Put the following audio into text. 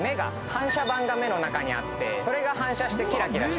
反射板が目の中にあってそれが反射してキラキラしてる。